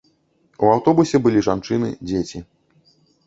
У аўтобусе былі жанчыны, дзеці.